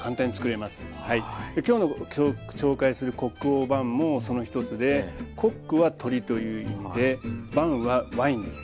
今日の紹介するコック・オ・ヴァンもその一つでコックは鶏という意味でヴァンはワインです。